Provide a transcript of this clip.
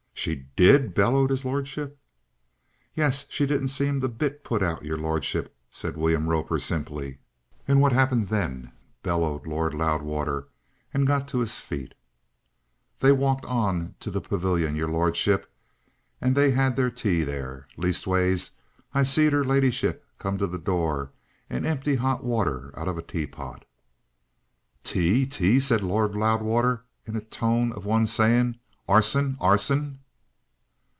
"She did?" bellowed his lordship. "Yes. She didn't seem a bit put out, your lordship," said William Roper simply. "And what happened then?" bellowed Lord Loudwater, and he got to his feet. "They walked on to the pavilion, your lordship. An' they had their tea there. Leastways, I seed'er ladyship come to the door an' empty hot water out of a tea pot." "Tea? Tea?" said Lord Loudwater in the tone of one saying: "Arson! Arson!"